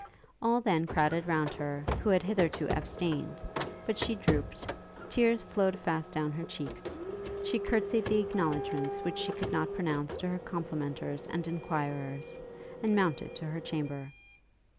All then crowded round her, who had hitherto abstained; but she drooped; tears flowed fast down her cheeks; she courtsied the acknowledgements which she could not pronounce to her complimenters and enquirers, and mounted to her chamber.